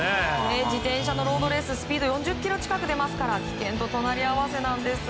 自転車のロードレーススピード４０キロ近く出ますから危険と隣り合わせです。